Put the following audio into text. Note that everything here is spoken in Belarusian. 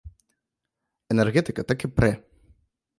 Энергетыка так і прэ!